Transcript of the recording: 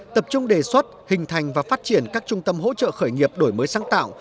tập trung đề xuất hình thành và phát triển các trung tâm hỗ trợ khởi nghiệp đổi mới sáng tạo